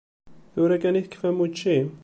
Tura kan i tekfam učči?